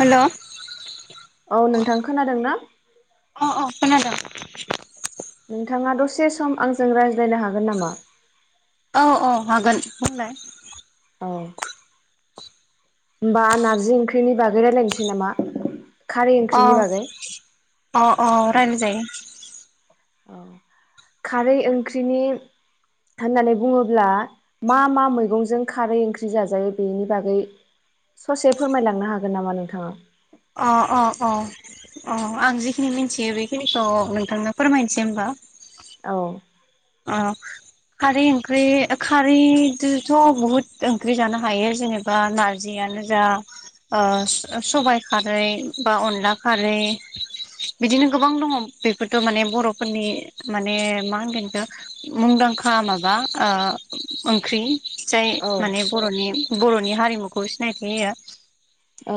Hello. औ नोंथां खोनादों ना? अ खोनादों। नोंथाङा दसे सम आंजों रायज्लायनो हागोन नामा? अ अ हागोन बुंलाय। औ। होमबा नार्जि ओंख्रिनि बागै रायलायनोसै नामा? खारै अ ओंख्रिनि बागै अ अ रायलाय जायो। [inaudible] अ खारै ओंख्रिनि होननानै बुङोब्ला मा मा मैगंजों खारै ओंख्रि जाजायो बेनि बागै ससे फोरमायलांनो हागोन नामा नोंथाङा? अ अ अ अ आं जिखिनि मिथियो बेखिनिखौ नोंथांनो फोरमायनोसै होमबा। औ। अ खारै ओंख्रि खारैदोथ' बहुद ओंख्रि जानो हायो जेनेबा नारजियानो जा ओ सबाइ खारै बा अनला खारै बिदिनो गोबां दङ बेफोरथ' माने बर'फोरनि माने मा होनगोन‌ इखो मुंदांखा माबा ओ ओंख्रि। जाय औ माने बर'नि बर' नि हारिमुखौ सिनायथि होयो।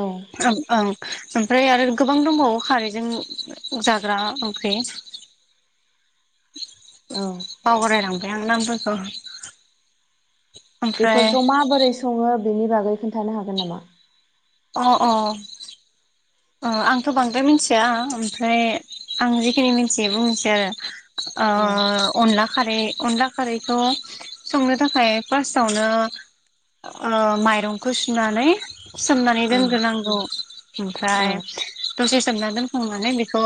औ ओम ओं। ओमफ्राय आरो गोबां दंबावो खारैजों जाग्रा ओंख्रि। औ। बराय लांबाय आं नामफोरखौ। ओमफ्राय बेफोरखौ माबोरै सङो बेनि बाग नों खोन्थानो हागोन नामा? अह अह। ओ आंथ बांद्राय मिनथिया ओमफ्राय आं जिखिनि मिनथियो आबुंनोसै औ आरो ओ अनला खारै अनला खारैखौ संनोथाखाय फास्तआवनो ओ माइरंखौ सुनानै सोमनानै औ दोनग्रोनांगौ उम। औ ओमफ्राय दसे सोमना दोनखांनानै बेखौ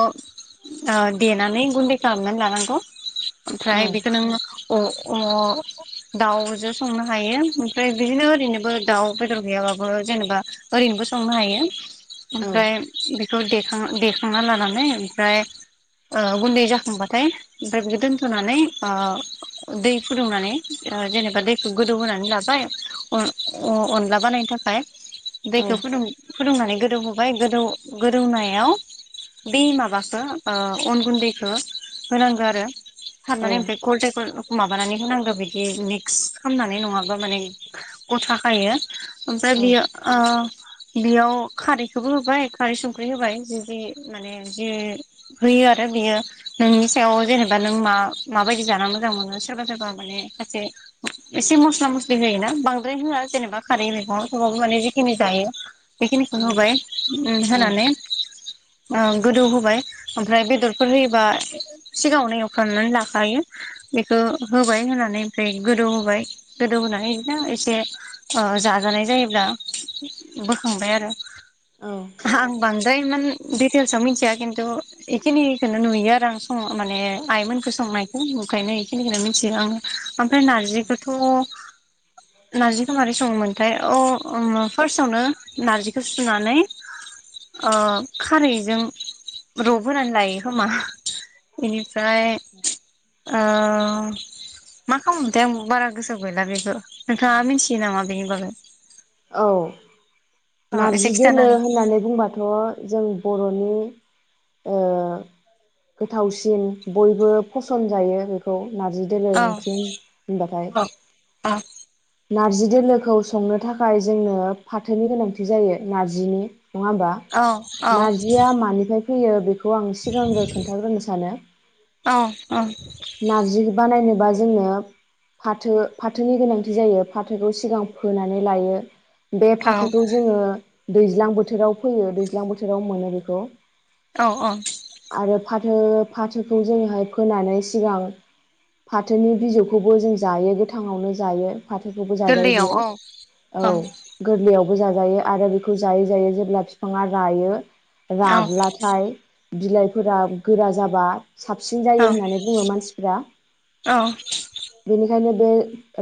ओ देनानै गुन्दै खालामनानै लानांगौ। औ ओमफ्राय बेखो नों अ अ दाउजो संनो हायो ओमफ्राय बिदिनो ओरैनोबो दाउ बेदर गैयाबाबो जेनेबा ओरैनोबो संनो हायो। औ ओमफ्राय बिख बेखौ देखां देखांना लानानै ओमफ्राय ओ गुन्दै जाखांबाथाय ओमफ्राय बेखो दोनथनानै ओ दै फुदुंनानै ओ जेनेबा दैखो गोदौहोनानै लाबाय अ-अ-अनला बानायनो थाखाय। औ दैखो फुदुं फुदुंनानै गोदौहो ओफाय गोदौ-गोदौनायाव बे माबाखो अन गुन्दैखो होनांगो आरो। औ हाबनानै ओमफाय गलदेखर माबानानै होनांगो बिदि मिक्स खालामनानै नङाबा माने गथाखायो। ओमफ्राय बियो ओ बियाव खारैख बेखोबो होबाय खारै सुंख्रि होबाय जुदि माने जि होयो आरो बियो नोंनि सायाव जेनेबा नों मा माबायदि जाना मोजां मोनो सोरबा सोरबा माने खायसे एसे मस्ला मस्लि होयोना बांद्राय होआ जेनेबा खारै मैगंङाव थेबाबो माने जिखिनि जायो। बेखिनिखो औ होबाय। उम औ होनानै ओ गोदौहोबाय ओमफ्राय बेदरफोर होयोबा सिगाङावनो एवफ्रामनानै लाखायो बेखो होबाय होनानै ओमफ्राय गोदौ होबाय गोदौहोनानै बिदिनो एसे ओ जाजानाय जायोब्ला बोखांबाय आरो औ आं बांद्राय एमान दिटेल्सआव मिथिया खिन्थु इखिनिखोनो नुयो आरो आं सं माने आइमोनखो संनायखो ओंखायनो इखिनिखोनो मिथियो आं आं है नारजिखोथ' नारजिखो मारै सङोमोनथाय अ उम फार्सआवनो नारजिखो सुनानै ओ खारैजों रबहोनोनानै लायोखोमा इनि फ्राय आ मा मा खामो मोनथाय आंबो बारा गोसोआव गैला बेखो। नोंथाङा मिथियो नामा? बेनिबागै औ नारजि खिथानो दोलो होननानै बुंबाथ' जों बर'नि ओ गोथावसिन बयबो फसन जायो बेखौ नारजि दोलो हागोन ओंख्रि होन बाथाय औ नारजि दोलोखौ संनो थाखाय जोंनो फाथोनि गोनांथि जायो नार्जिनि। नङा होमबा औ औ नारजिया मानिफ्राय फियो बेख खौ आं सिगांग्रो खोन्थाग्रोनो सानो औ नारजि बानायनोबा ज जोंनो फाथो फाथोनि गोनांथि बि जायो फाथोखौ सिगां फोनानै लायो। बे औ फाथोखौ जोंङो दैज्लां बोथोराव फैयो दैज्लां बोथोराव मोनो बेखौ औ अ आरो फाथो फाथोखौ जोंङोहाय फोनानै सिगां फाथोनि बिजौखौबो जों जायो गोथां आवनो जायो। फाथोखौबो जाजायो गोरलैयाव बियो औ औ गोरलैयाव। बो जाजायो आरो बेखौ जायै जायै जेब्ला बिफांङा रायो औ राब्ला थाइ बिलाइफोरा गोरा जाबा साबसिन जायो औ होननानै बुंङो मानसिफ्रा औ बेनिखायनो बे‌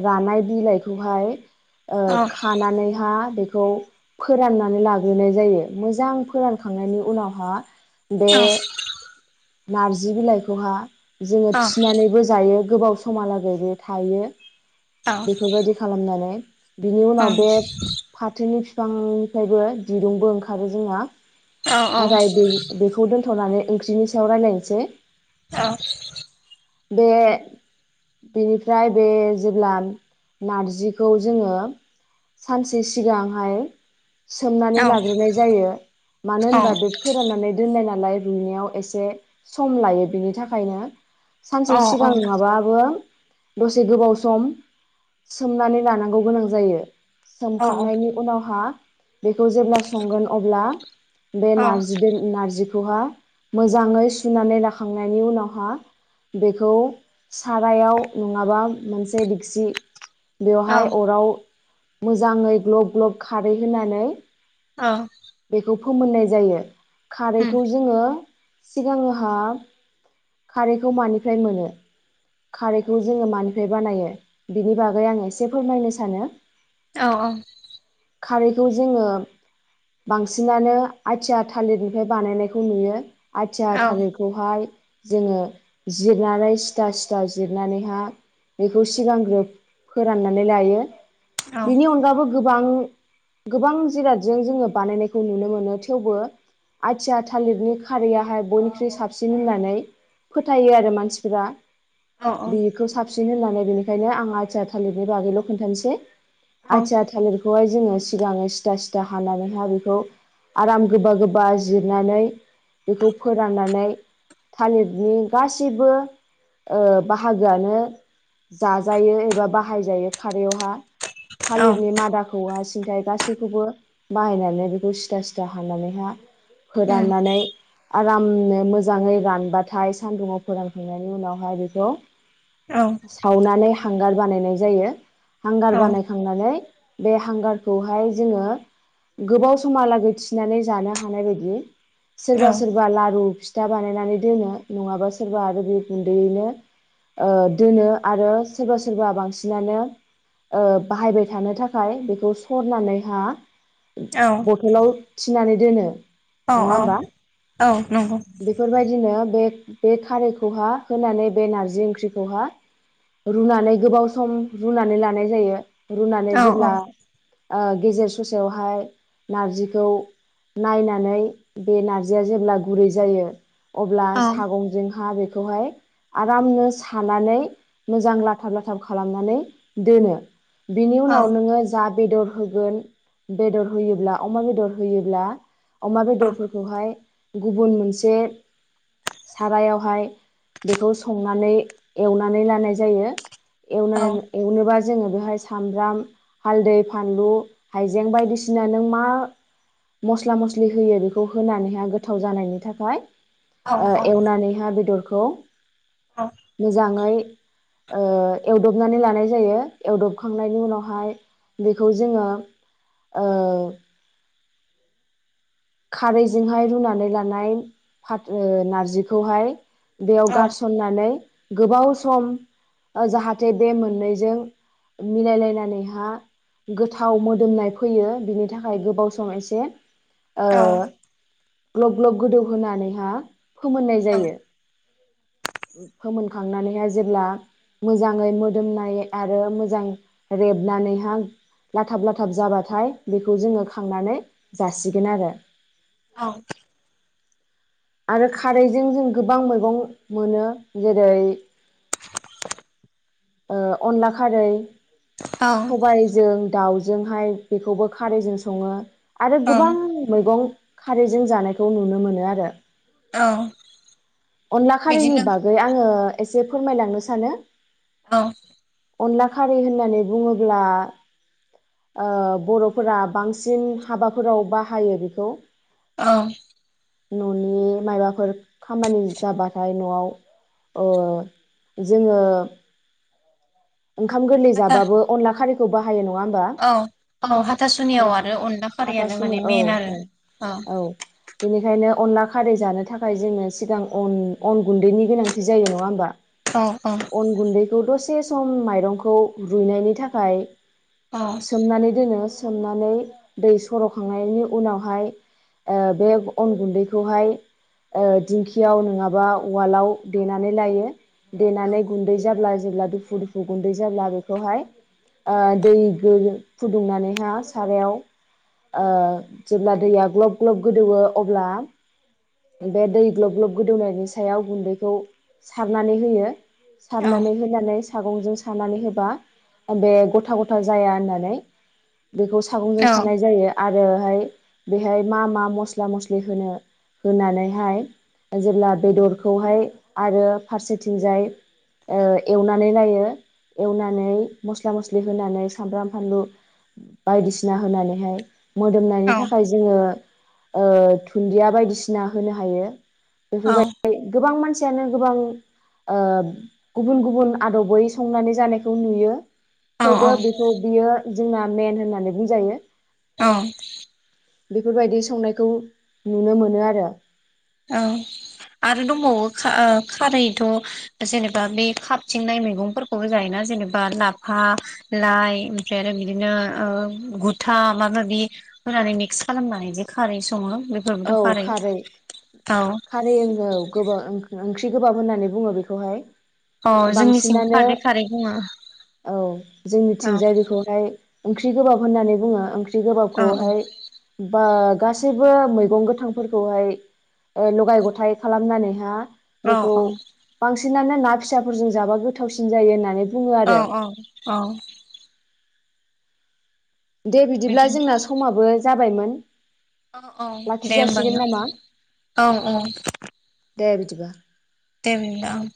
रानाय बिलाइखौहाय ओ औ खानानैहा बे बे फोराननानै लाग्रोनाय जायो मोजां फोरानखांनायनि उनावहा। बे। औ नारजि बिलाइखौहाय जोंङो औ थिनानैबो जायो। गोबाव समहालागै बे थायो। बेफोरबायदि खालामनानै बिनि उनाव बे फाथोनि बिफांनिफ्रायबो दिरुंबो ओंखारो जोंहा। औ नाथाय बे बेखौ दोनथ'नानै ओंख्रिनि सायाव रायज्लायनोसै। औ। बे बेनिफ्राय बे जेब्ला नारजिखौ जोंङो सानसे सिगांहाय सोमनानै लाग्रोनाय जायो मानो होनबा बे फोराननानै दोननाय नालाय। रुनायाव एसे सम लायो बिनि थाखायनो सानसे सिगां नङाबाबो दसे गोबाव सम सोमनानै लानांगौ गोनां जायो। औ सोमखांनायनि उनावहा बेखौ जेब्ला संगोन अब्ला बे औ औ नारजि नारजिखौ बेखौहा मोजाङै सुनानै लााखांनायनि उनावहा बेखौ सारायाव नङाबा मोनसे दिक्सि बेवहाय औ अराव मोजाङै ग्लब ग्लब खारै होनानै औ। बेखौ फोमोननाय जायो। उम खारैखौ जोङो सिगांहा खारैखौ मानिफ्राय मोनो खारैखौ जोङो मानिफ्राय बानायो बेनि बागै आ आं एसे फोरमायनो सानो। औ औ। खारैखौ जोङो बांसिनानो आथिया थालिरनिफ्राय बानायनायखौ नुयो। आथिया औ थालिरखौहाय जोङो जिरनानै सिथा सिथा जिरनानैहा बेखौ सिगांग्रो फोराननानै लायो। औ बिनि अनगाबो गोबां गोबां जिरादजों जोङो बानायनायखौ नुनो मोनो थेवबो आथिया थालिरनि खारैयाहाय बयनिख्रुइ साबसिन होननानै फोथायो आरो मानसिफोरा। औ बेखौ साबसि सिन होननानै बेनिखायनो आं आथिया थालिरनि बागैल' खोन्थानोसै औ आथिया थालिरखौ जोंङो सिगां सिथा सिथा हानानैहाय बेखौ आराम गोबा गोबा जिरनानै बेखौ फोराननानै थालिरनि गासिबो ओ बाहागोआनो जाजायो एबा बा हाय जायो खारैयावहा थालिरनि मादाखौ आ सिन्थाइ गासैखौबो बाहायनानै बेखौ सिदा सिदा हानानैहा उम फोराननानै आ रामनो मोजाङै रानबाथाय सान्दुङाव फोरानखांनायनि उनावहाय बेखौ औ सावनानै हांगार बानायनाय जायो हांगार औ बानायखांनानै बे हांगारखौहाय जोङो गोबाव समहालागै थिनानै जानो हानाय बायदि सोरबा औ सोरबा लारु फिथा बानायनानै दोनो नङाबा सोरबा आरो बे गुन्दैयैनो ओ दोनो आरो सोरबा सोरबा बांसिन सिनानो बाहायबाय थानो थाखाय बेखौ सरनानैहा बथलाव थिनानै दोनो औ नङा होमबा औ नंगौ बेफोरबायदिनो बे बे खारैखौहा होनानै बे नारजि ओंख्रिखौहा रुनानै गोबाव सम रुनानै लानाय जायो। रुनानै औ औ जेब्ला ओ गेजेर ससेयावहाय नारजिखौ नायनानै बे नार्जिया जेब्ला गुरै जायो अब्ला औ सागंजोंहा बे खौहाय आरामनो सानानै मोजां लाथाब लाथाब खालामनानै दोनो बिनि औ औ उनाव नोङो जा बेदर होगोन बेदर होयोब्ला अमा बेदर होयोब्ला अमा औ बेदरफोरखौहाय गुबुन मोनसे सारायावहाय बेखौ संनानै एवनानै लानाय जायो एवना औ एवनोबा जोङो बेहाय सामब्राम हालदै फानलु हाइजें बायदिसिना नों मा मस्ला-मस्लि होयो बेखौ होनानैहाय गोथाव जानायनि थाखाय ओ एवनानैहा बेदर खौ मोजाङै ओ एवदबनानै लानाय जायो। एवदबखांनायनि उनावहाय बेखौ जोङो खारैजोंहाय रुनानै लानाय फाथ' नारजिखौहाय बेयाव गारसननानै गोबाव सम जाहाथे बे मोननैजों मिलायलायनानैहा गोथाव मोदोमनाय फैयो बिनि थाखाय गोबाव सम एसे औ ओ ग्लब-ग्लब गोदौ होनानैहा फोमोननाय जायो। फोमोनखांनानैहाय जेब्ला मोजाङै मोदोमनाय आरो मोजां रेबनानैहा लाथाब-लाथाब जाबाथाय बेखौ जोङो खांनानै जासिगोन आरो औ आरो खारैजों जों गोबां मैगं मोनो जेरै ओ अनला खारै सबायजों दाउजोंहाय बेखौबो खारैजों सङो आरो औ गोबां मैगं खारैजों जानायखौ नुनो मोनो आरो औ अनला खारैनि बिदिनो बागै आङो एसे फोरमायलांनो सानो औ अनला खारै होननानै बुङोब्ला ओ बर'फोरा बांसिन हाबाफोराव बाहायो बेखौ औ न'नि माबाफोर खामानि जाबाथाय न'आव ओ जोङो ओंखाम गोरलै हाथा जाबो अनला खारै गोबा औ औ हाथासुनियाव आरो अनला हाथा खारियानो सुनो माने औ मेन आरो औ औ बेनिखायनो अनला खारै जानो थाखाय जोङो सिगां अन अन गुन्दैनि गोनांथि जायो नङा होमबा। औ अन गुन्दैखौ द सम माइरंखौ रुइनायनि थाखाय औ सोमनानै दोनो सोमनानै दै सर'खांनायनि उनावहाय ओ बे अन गुन्दैखौहाय ओ दिंखियाव नङाबा उवालाव देनानै लायो औ देनानै गुन्दै जाब्ला [unintelligible] दुफु दुफु गुन्दै जाब्ला बेखौहाय ओ दै [unintelligible] फुदुंनानैहाय सारायाव ओ जेब्ला दैया ग्लब ग्लब गोदौवो अब्ला बे दै ग्लब ग्लब गोदौनायनि सायाव गुन्दैखौ सारनानै होयो औ सारनानै होनानै सागंजों सानानै होबा बे गथा गथा जाया होननानै बेखौ सागंजों सानाय जायो आ रो इयावहाय बेहाय मा मा मस्ला मस्लि होनो होनानैहाय जेब्ला बेदरखौहाय आरो फारसेथिंजाय ओ एवना नै लायो एवनानै मस्ला मस्लि होनानै सामब्राम फानलु बायदिसिना होनानैहाय मोदोमनायनि औ थाखाय जोङो ओ दुन्दिया बायदिसिना होनो हायो बेफोरबायदि गोबां मानसि यानो गोबां ओ गुबुन गुबुन आदबै संनानै जानायखौ नुयो औ थेवबो बिफोर बियो जोंना मेन होननानै बुंजायो औ बेफोरबायदि संनायखौ नुनो मोनो आरो औ आरो दंबावो खा ओ खारैथ जेनेबा बे खाबथिंनाय मैगंफोरखौबो जायोना जेनेबा लाफा लाइ ओमफ्राय आरो बिदिनो ओ गुथा माबा माबि होनानै मिक्स खालामनानै जे खारै सङो बेफोरबोथ खारै औ खारै ओं औ गोबा ओं-ओंख्रि गोबाब होननानै बुङो बेखौहाय अ जोंनिसिं बांसिनानो खारदै खारै बुङो औ औ जोंनिथिंजाय बेखौहाय ओंख्रि गोबाब होननानै बुङो ओं ख्रि औ गोबाबखौहाय बा गासैबो मैगं गोथांफोरखौहाय ओ लगाय गथाय खालामनानैहा औ बेखौ औ बांसिन नानो ना फिसाफोरजों जाबा गोथावसिन जायो होननानै बुङो औ आरो औ औ दे बिदिब्ला जोंना समाबो जा बायमोन अ अ दे होमबा ना औ औ दिबा दे ओमबा ओं